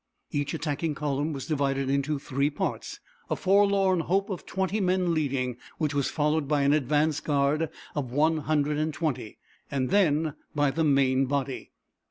Each attacking column was divided into three parts, a forlorn hope of twenty men leading, which was followed by an advance guard of one hundred and twenty, and then by the main body.